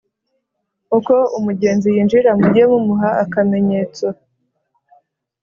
uko umugenzi yinjira mujye mumuha akamenyetso